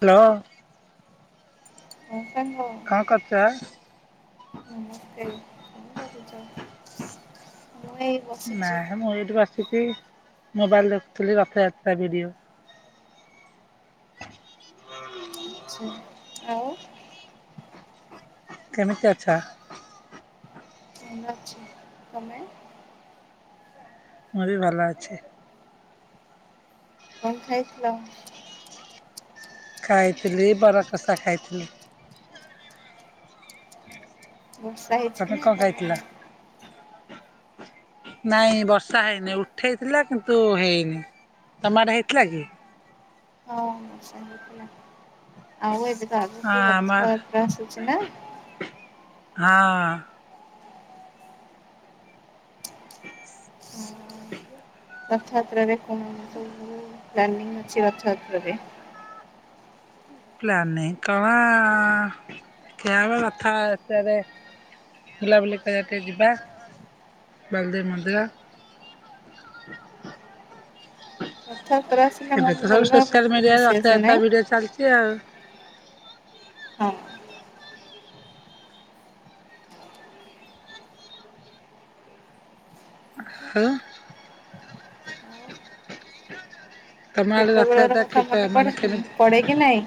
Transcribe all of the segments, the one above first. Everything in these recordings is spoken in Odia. ହ୍ୟାଲୋ। [inaudible] କଣ କରୁଚ? [inaudible] ବସିଛି। ନାଇ ମୁଁ ଏଇଠୁ ବସିଛିି ମୋବାଇଲ ଦେଖୁଥିଲି ରଥଯାତ୍ରା ଭିଡିଓ। ଆଛା ଆଉ। କେମିତି ଅଛ? ଭଲ ଅଛି ତମେ? ମୁଁ ବି ଭଲ ଅଛି। କଣ ଖାଇଥିଲ। ଖାଇଥିଲି ବରକଷା ଖାଇଥିଲି। ବର୍ଷା ହେଇଛି ତମେ କି ନାଇଁ କଣ ତମ ଖାଇଥିଲ? ଆଡେ। ନାଇଁ ବର୍ଷା ହେଇନି ଉଠେଇ ଥିଲା କିନ୍ତୁ ହେଇନି ତମଆଡେ ହେଇଥିଲା କି? ହଁ ଆଉ ଏବେ ହଁ ଆଗକୁ ଆମ ଆଡେ ରଥଯାତ୍ରା ସୂଚନା ହଁ। ହଁ, ରଥଯାତ୍ରାରେ କଣ ପ୍ଲାନିଙ୍ଗ ଅଛି ରଥଯାତ୍ରାରେ? ପ୍ଲାନିଂ କଣ। [unintelligible] ହବ ରଥଯାତ୍ରାରେ ବୁଲାବୁଲି କରିବା ଟିକେ ଯିବା। ବଲଦେବ ମନ୍ଦିର। ରଥଯାତ୍ରା ଆସିଲେ ଏବେ ତ ମନରେ ସବୁ ଅଲଗା ସୋସିଆଲ ପ୍ରକାର ମିଡିଆରେ ଖୁସି ଆସେ ରଥଯାତ୍ରା ନାଇଁ? ଭିଡିଓ ଚାଲିଛି ଆଉ। ହଁ। ହେଲା। ଛୋଟବେଳର କଥା କିପା ମାନେ ପଢେ କେମିତି ପଢେ କି ନାଇଁ?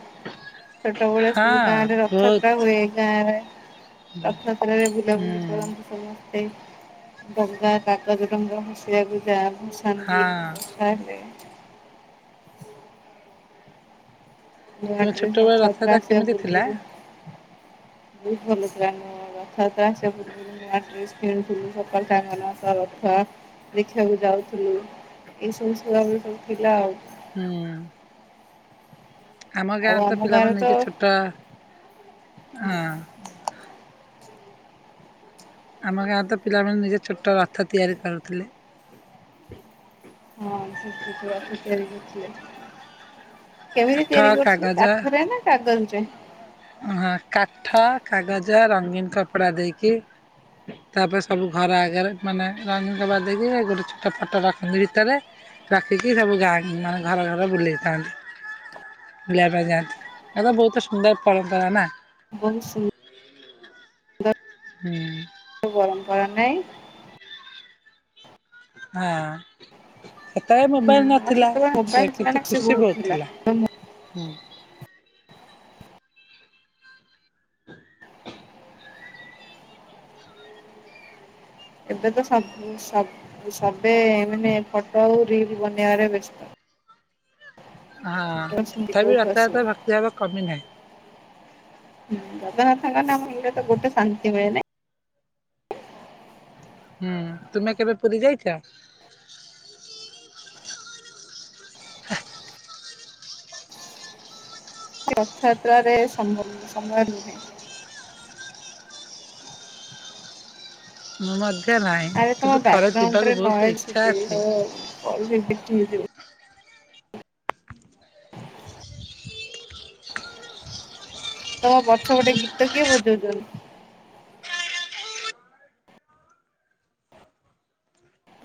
ଛୋଟବେଳେ ସବୁ ହଁ ଗାଁରେ ବହୁତ ରଥଯାତ୍ରା ହୁଏ ଗାଁ ରଥଯାତ୍ରରେ ବୁଲାବୁଲି ହୁଁ କରନ୍ତି ସବୁ। ସେ ଡଙ୍ଗା କାଗଜ ଡଙ୍ଗା ହସିବାକୁ ଯାଆ ହଁ ଶାନ୍ତି ଲାଗେ। ତୁମେ ବାଟରେ ଛୋଟବେଳେ ରଥଯାତ୍ରା ଆସିବା କେମିତି ଥିଲା? ପୂର୍ବରୁ ବହୁତ ଭଲ [unintelligible] ରଥଯାତ୍ରା ଆସିବା ପୂର୍ବରୁ ନୂଆ ଡ୍ରେସ କିଣି ଥିଲ ସକାଳୁ ସାଙ୍ଗମାନଙ୍କ ସହ ରଥ ଦେଖିବାକୁ ଯାଉଥିଲୁ। ଏଇସବୁ ଛୁଆବେଳୁ ସବୁ ଥିଲା ଆଉ। ହୁଁ। ଆମ ଗାଁରେ ତ ପିଲାମାନେ ନିଜେ ଛୋଟ ହଁ। ଆମ ଗାଁ ତ ପିଲାମାନେ ନିଜେ ଛୋଟ ରଥ ତିଆରି କରୁଥିଲେ। ହଁ ଛୋଟିଆ ରଥ ତିଆରି କରୁଥିଲେ। କେମିତି କାଠ ତିଆରି କରୁଥିଲେ କାଗଜ କାଠରେ ନା କାଗଜରେ? ହଁ କାଠ କାଗଜ ରଙ୍ଗୀନ କପଡ଼ା ଦେଇକି। ତାପରେ ସବୁ ଘର ଆଗରେ ମାନେ ରଙ୍ଗବା ଦେଇକି ଗୋଟେ ଛୋଟ ଫଟୋ ରଖନ୍ତି ଭିତରେ ରଖିକି ସବୁ ଗାଁ ମାନେ ଘର ଘରେ ବୁଲେଇଥାନ୍ତି। ବୁଲିବା ପାଇଁ ଯାଆନ୍ତି ଏବଂ ବହୁତ ସୁନ୍ଦର ପରମ୍ପରା ନା। ବହୁତ ସୁ ନ୍ଦର। ହୁଁ। କର ନାହିଁ। ହଁ। ସେତେବେଳେ ହୁଁ ମୋବାଇଲ ଆଉ ନଥିଲା ସେତେବେଳେ ମୋବାଇଲ ଥିଲା ନା କିନ୍ତୁ ସେ ଖୁସି ବହୁତ ଥିଲା ହଁ। ଏବେ ତ ସବୁ ସବ ସବେ ମାନଃ ଫଟୋ ଆଉ ରିଲ ବନେଇବାରେ ବ୍ୟସ୍ତ। ହଁ ଛୋଟ ସେମିତି ତଥାପି କୋଉଠୁ ଆସିବ ରଥଯାତ୍ରା ଭକ୍ତି ଭାବ କମି ନାହିଁ। ହୁଁ, ଜଗନ୍ନାଥଙ୍କ ନାମରେ ତ ଗୋଟେ ଶାନ୍ତି ମିଳେନା। ହଁ ତୁମେ କେବେ ପୁରୀ ଯାଇଛ? ହେ। ରଥଯାତ୍ରାରେ ସମ୍ଭମ ସମୟ ନୁହେଁ। [unintelligible] ଆରେ ତୋମ କିନ୍ତୁ ବ୍ୟାଗ୍ ଥରେ ଗ୍ରାଉଣ୍ଡ ଯିବାକୁ ରେ ବହୁତ ନଏଜ୍ ଇଚ୍ଛା ଶୁଭୁଚି ଅଛି। ତ [unintelligible] ତୋମ ପଛ ପଟେ ଗୀତ କିଏ ବଜଉଚନି?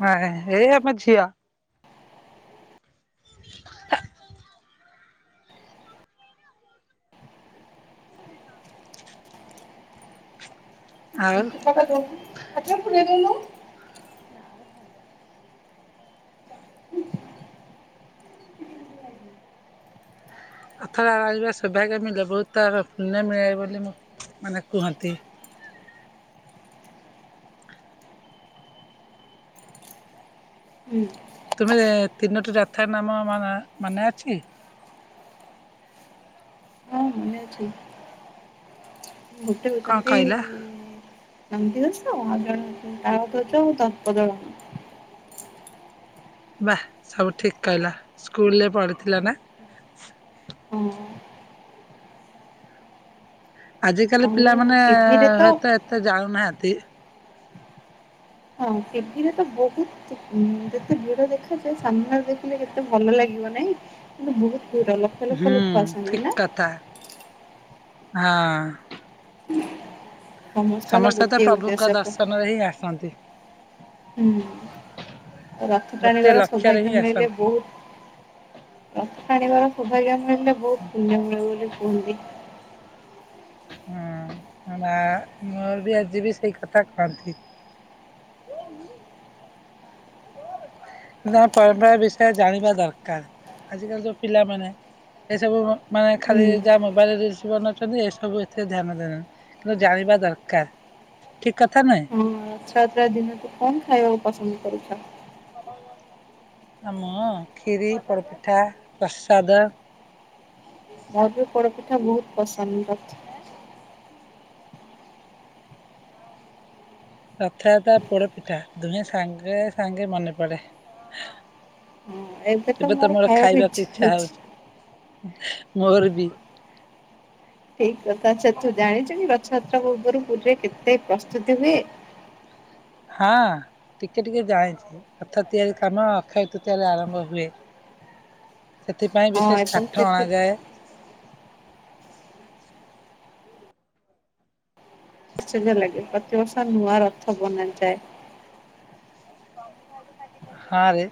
ହଁ ହେଇ ଆମ ଝିଅ। ଆଉ [unintelligible] ପଚାରୁଛି, ପଚାରୁଛି କାହିଁ କହିଲ? ଅଥରାର ଆଇବେ ସୁଭାଗମି [unintelligible] ପୁନମି ଆଏ ବୋଲି ମୁଁ ମାନେ କୁହନ୍ତି। ହୁଁ ତୁମେ ତିନୋଟି ରଥର ନାମ ମମେ ମନେ ଅଛି? ହଁ ମନେ ଅଛି। ଗୋଟେ କଣ ହଉଛନ୍ତି କହିଲା? ନନ୍ଦିଘୋଷ, ଆଉ ଜଣେ ହଉଛନ୍ତି ତାଳଧ୍ଵଜ ଓ ଦର୍ପଦଳନ। ବାଃ ସବୁ ଠିକ କହିଲ। ସ୍କୁଲ୍ ରେ ପଢିଥିଲ ନା? ହଁ ଆଜିକାଲି ଆଉ ପିଲାମାନେ ଟିଭିରେ ତ ହୁଏତ ଏତେ ଜାଣୁନାହାନ୍ତି। ହଁ ଟିଭିରେ ତ ବହୁତ ଯେ ଉଁ, ଯେତେ ଭିଡ ଦେଖାଯାଏ ସାମ୍ନାରେ ଦେଖିଲେ ଯେତେ ଭଲ ଲାଗିବ ନା [inaudible] କିନ୍ତୁ ବହୁତ ଭିଡ ଲକ୍ଷ ଲକ୍ଷ ହୁଁ ଲୋକ ଆସନ୍ତି ଠିକ ନା। କଥା ହଁ। ସମସ୍ତଙ୍କର ସମସ୍ତେ ତ ଗୋଟିଏ ପ୍ରଭୁଙ୍କ ଉଦ୍ଦେଶ୍ୟ ପ- ଦର୍ଶନ ରେ ହିଁ ଆସନ୍ତି। ହୁଁ, ରଥ ଗୋଟିଏ ଟାଣିବାର ଲକ୍ଷ୍ୟରେ ହିଁ ସୌଭାଗ୍ୟ ମିଳିଲେ ଆସନ୍ତି। ବହୁତ ରଥ ଟାଣିବାର ସୌଭାଗ୍ୟ ମିଳିଲେ ବହୁତ ପୁଣ୍ୟ ମିଳେ ବୋଲି କୁହନ୍ତି। ହଁ ଅଁ, ମା ମୋର ବି ଆଜି ବି ସେଇ କଥା କହନ୍ତି। ନା ପରମ୍ପରା ବିଷୟରେ ଜାଣିବା ଦରକାର। ଆଜିକାଲି ଯୋଉ ପିଲାମାନେ ଏସବୁ ମା-ମାନେ ହୁଁ ଖାଲି ଯାହା ମୋବାଇଲ୍ ରିଲ୍ସ ବନଭଛନ୍ତି ଏସବୁ ଏଥିରେ ଧ୍ୟାନ ଦେଲେ। କିନ୍ତୁ ଜାଣି ବା ଦରକାର ଠିକ କଥା ନୁହେଁ? ହଁ ରଥଯାତ୍ରା ଦିିନ କୁ କଣ ଖାଇବା ବହୁତ ପସନ୍ଦ କରୁଛ? ଆ, ମୁଁ ଖିରୀ ପୋଡପିଠା, ପ୍ରସାଦ ମୋର ବି ପୋଡ଼ପିଠା ବହୁତ ପସନ୍ଦ ଅଛି। ରଥଯାତ୍ରା ପୋଡପିଠା ଦୁହେଁ ସାଙ୍ଗେ ସାଙ୍ଗେ ମନେ ପଡେ। ଏବେ ତ ମୋର ଖାଇବାକୁ ଇଚ୍ଛା ହଉଛି। ହଁ ମୋର ବି। ଠିକ କଥା, ଆଚ୍ଛା ତୁ ଜାଣିଚନ୍ତି ରଥଯାତ୍ରା ପୂର୍ବରୁ ପୁରୀରେ କେତେ ପ୍ରସ୍ତୁତି ହୁଏ? ହଁ। ଟିକେ ଟିକେ ଜାଣିଛି। ରଥ ତିଆରି କାମ ଅକ୍ଷୟ ତୃତୀୟା ରେ ଆରମ୍ଭ ହୁଏ। ସେଥିପାଇଁ ହଁ ବିଶେଷ ଏବଂ କାଠ କେତେ ଅଣାଯାଏ। [unintelligible] ଲାଗେ ପ୍ରତିବର୍ଷ ନୂଆ ରଥ ବନା ଯାଏ। ପାଣିରେ ଆଜି କା ହଁ ରେ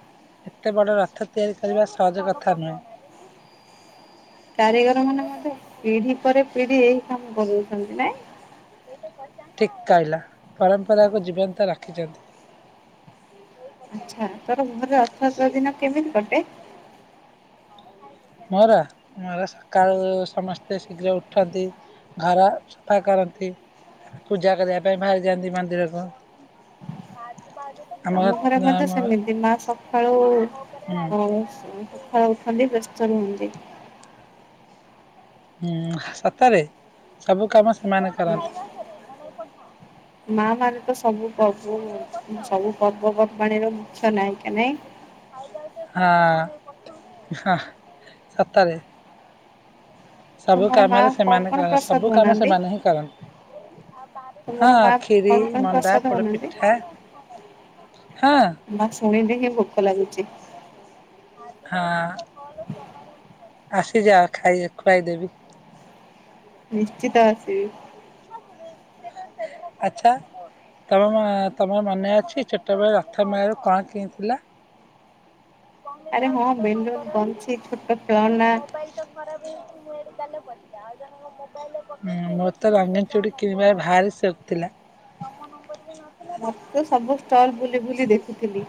ଏତେ ବଡ ରଥ ତିଆରି କରିବା ସହଜ କଥା ନୁହେଁ। ହ [unintelligible] କାରିଗର ମାନେ ମଧ୍ଯ ପିଢି ପରେ ପିଢି ଏଇ କାମ କରୁଛନ୍ତି ନାଇଁ? ଠିକ କହିଲ ପରମ୍ପରାକୁୁ ଜୀବନ୍ତ ରଖିଚନ୍ତି। ଆଚ୍ଛା ତୋର ଘରେ ରଥଯାତ୍ରା ଦିନ କେମିତି କଟେ? ମୋର ମୋର ସକାଳୁ ସମସ୍ତେ ଶୀଘ୍ର ଉଠନ୍ତି। ଘର ସଫା କର ରନ୍ତି, ତା ପାଇଁ ପୂଜା କରିବା ପାଇଁ ଭାରି ଯାଆନ୍ତି ମନ୍ଦିରକୁ। ଆମର ଆମ ଘରେ ମଧ୍ୟ ଆମ ସେମିତି ମା ସଖାଳୁ ହୁଁ। [unintelligible] ସଖାଳୁ ଉଠନ୍ତି, [unintelligible] ଚାଲେ ଏମତି। ହୁଁ, ସତରେ ସବୁ କାମ ସେମାନେ କରନ୍ତି। ମା ମାରେ ତ ସବୁ ପର୍ବୁ ସବୁ ପର୍ବପର୍ବାଣିର ମିଛ ନାହିଁ କି [inaudible] ଏନ ନେଇ [unintelligible] ହ ସତରେ ସବୁ ତୁମର ମା କାମରେ କଣ ସେମାନେ କଣ କର ପ୍ରସାଦ ସବୁ କାମ ବନାନ୍ତି? ସେମାନେ ହିଁ କରନ୍ତି। ତୁମର ହଁ ମା ଖିରି କଣ କଣ ମଣ୍ଡା ପ୍ରସାଦ ପୋଡ ବନାନ୍ତି? ପିଠା। ମା ଶୁଣିଲି ହିଁ ଭୋକ ଲାଗୁଛି। ହଁ ଆସିଯା ଖାଇ ଖୁଆଇଦେବି। ନିଶ୍ଚିତ ଆସିବି। ସିଏ ତ ସେ ଦିନ ଆଛା। ତମ ତମର ମନେ ଅଛି ଛୋଟବେଳ ରଥ ମୟାରୁ କଣ କିଣିଥିଲ? କମେଉ ଆରେ ହଁ ଗ ତ ବେଲୁନ ନମ୍ବର ନୁହଁ ବଂଶୀ ଛୋଟ ଆ ଖେଳନା ମୋବାଇଲ ତ ଖରାପ ହେଇଛି। ଆଉ ଜଣଙ୍କ ମୋବାଇଲି ମୋ ତ ରଙ୍ଗନ ଚୁଡ଼ି କିଣିବାର ଭାରି ଶୋଉକୁ ଥିଲା। ମୋ ନମ୍ବର ବି ନ ମତେ ସବୁ ଷ୍ଟଲ ବୁଲି ବୁଲି ଦେଖୁଥିଲି।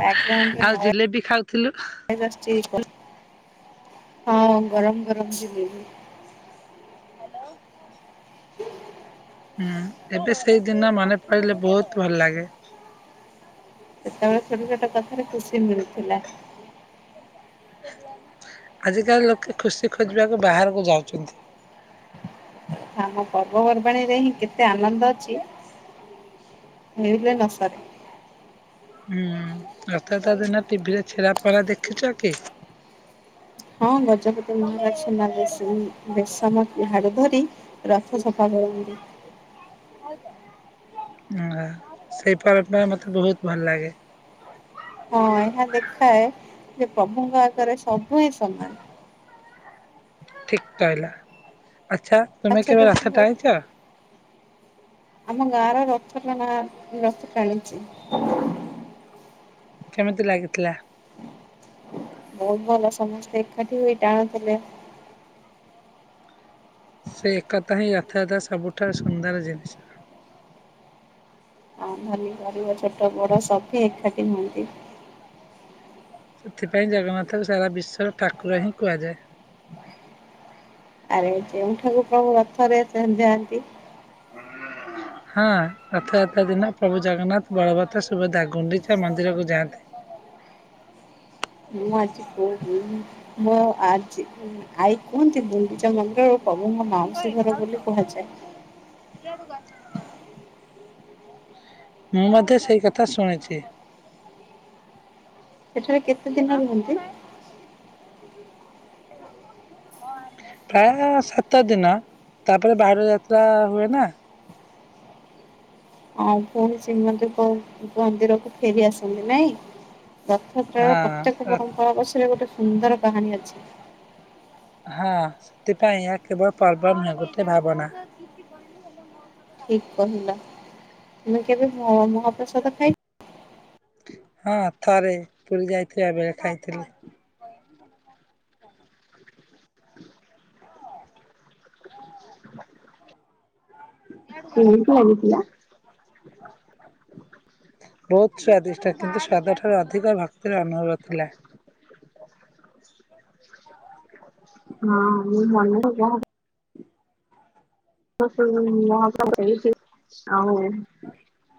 ବ୍ୟକଗ୍ରାଉଣ୍ଡଣ୍ଡେ ଆଉ ନ ଜିଲେବି ଖାଉଥିଲୁ। ନ ଆସଛି ଇକ୍ଲ ହଁ ଗରମ ଗରମ ଯିଲେପି। ହ୍ୟାଲୋ। ହୁଁ ଏବେ ସେଇଦିନ ମନେ ପିଲେ ବହୁତ ଭଲ ଲାଗେ। ସେତେବେଳେ ଛୋଟ ଛୋଟ କଥାରେ ଖୁସି ମିଳୁଥିଲା। ଆଜିକାଲି ଲୋକେ ଖୁସି ଖୋଜିବାକୁ ବାହାରକୁ ଯାଉଛନ୍ତି। ଆମ ପର୍ବପର୍ବାଣିରେ ହିଁ କେତେ ଆନନ୍ଦ ଅଛି। ହେଇିଲେ ନ ସାରେ। ହୁଁ ରଥଯାତ୍ରା ଦିନ ଟିଭି ରେ ଛେରା ପହରା ଦେଖିଛକି? ହଁ ଗଜପତି ମହାରାଜ ସୁନା ବେଶ ବେଶମ ହାଡୁ ଧରି ରଥ ସଫା କରନ୍ତି। ଭାଉଜ [inaudible] ଓହୋ ସେଇ ପର୍ବ ମ ମତେ ବହୁତ ଭଲ ଲାଗେ। ହଁ ଏହା ଦେଖାଏ ଯେ ପ୍ରଭୁଙ୍କ ଆଗରେ ସବୁ ହିଁ ସମାନ। ଠିକ କହିଲ ଆଚ୍ଛା ତୁମେ ଆଚ୍ଛା ତୁ କେବେ କହ ରଥ ଟାଣିଛ? ଆମ ଗାଁ ର ରଥ ଟଣା ରଥ ଟାଣିଛୁ। କେମିତି ଲାଗିଥିଲା? ବହୁତ ଭଲ ସମସ୍ତେ ଏକାଠି ହୋଇ ଟାଣୁଥିଲେ। ସେ ଏକତା ହିଁ ରଥାୟାତ ସବୁଠାରୁ ସୁନ୍ଦର ଜିନିଷ। ଆଉ ଧନୀ ଗରିବ ଛୋଟ ବଡ଼ ସବୁ ଏକାଠି ହୁଅନ୍ତି। ସେଥିପାଇଁ ଜଗନ୍ନାଥଙ୍କୁ ସାରା ବିଶ୍ଵର ଠାକୁର ହିଁ କୁହାଯାଏ। ଆରେ ଯେଉଁଠାକୁ ପ୍ରଭୁ ରଥରେ ଯାଆନ୍ତି। ହଁ। ହଁ ରଥଯାତ୍ରା ଦିନ ପ୍ରଭୁ ଜଗନ୍ନାଥ ବଳବତ ସୁଭଦା ଗୁଣ୍ଡିଚା ମନ୍ଦିରକୁ ଯାଆନ୍ତି। [unintelligible] ମୁଁ ଆଜି କହ ମୋ ଆଜି ଆଈ କୁହନ୍ତି ଗୁଣ୍ଡିଚା ମନ୍ଦିର ପ୍ରଭୁଙ୍କ ମାଉସୀ ଘର ବୋଲି କୁହାଯାଏ। ଲଡ଼ୁ ଗାଛ। ମୁଁ ମଧ୍ୟେ ସେଇ କଥା ଶୁଣିଛି। ସେଠାରେ କେତେ ଦିନ ରୁହନ୍ତି? [inaudible] ପ୍ରାୟ ସାତ ଦିନ ତାପରେ ବାହୁଡା଼ ଯାତ୍ରା ହୁଏ ନାଁ। ହଉ ପୁଣି ଶ୍ରୀମନ୍ଦି ମନ୍ଦିରକୁ ଫେରି ଆସନ୍ତି ନାଇଁ। ରଥଯାତ୍ରାର ହଁ ପ୍ରତ୍ୟେକ ରଥ ପରମ୍ପରା ପଛରେ ଗୋଟେ ସୁନ୍ଦର କାହାଣୀ ଅଛି। ହଁ ସେଥିପାଇଁ ଏହା କେବଳ ପର୍ବ ନୁହେଁ ଗୋଟେ ଭାବନା ଠିକ କହିଲା ତମେ କେବେ ମହାପ୍ରସାଦ ଖାଇଛ? ହଁ ଥରେ ପୁରୀ ଯାଇଥିବା ବେଳେ ଖାଇଥିଲି, କେମିତି ଲାଗିଥିଲା [inaudible] ବହୁତ ସଵାଦିଷ୍ଟ କିନ୍ତୁ ସ୍ୱାଦ ଠାରୁ ଅଧିକ ଭକ୍ତିର ଅନୁଭବ ଥିଲା ହଁ ମୁ ମ କ [inaudible] ମହସବ ହେଇଛି ଆଉ [inaudible] ହଁ [inaudible]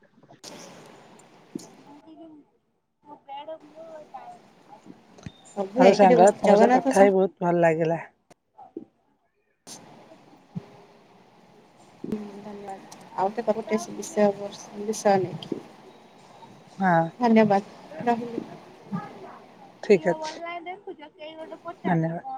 [inaudible] ମୁ ମୁ ବେଡ଼ ମୁ ଯ ସବୁ [inaudible] ଆଉ ଏକାଠି ସାଙ୍ଗ ବସି ତମ ସା ଜଗନ୍ନାଥ କଥା ବି ବହୁତ ଭଲ ଲାଗିଲା। ହୁଁ [inaudible] ଧନ୍ୟବାଦ। ଆଉ ତ ତା ଗୋଟେଷ୍ଟ ବିଷୟ ବିଷୟ ନେଇକି ହଁ [inaudible] ଧନ୍ୟବାଦ ରହିଲି। ଠିକ୍ ଅଛି ଧନ୍ୟବାଦ।